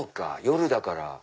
夜だから。